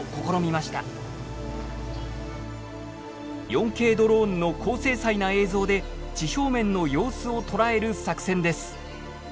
４Ｋドローンの高精細な映像で地表面の様子を捉える作戦です。